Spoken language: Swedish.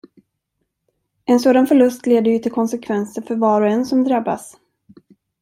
En sådan förlust leder ju till konsekvenser för var och en som drabbas.